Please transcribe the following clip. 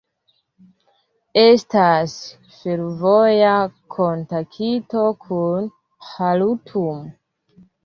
Estas fervoja kontakto kun Ĥartumo.